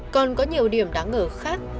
còn có nhiều điểm đáng ngờ khác